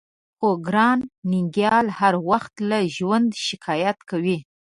خو ګران ننګيال هر وخت له ژونده شکايت کوي.